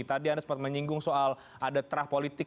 tadi anda sempat menyinggung soal ada terah politik